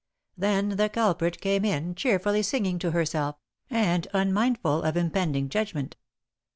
Then the culprit came in, cheerfully singing to herself, and unmindful of impending judgment.